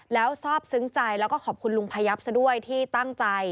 แล้วทราบซึ้งใจแล้วก็ขอบคุณลุงพยับซะด้วยที่ตั้งใจ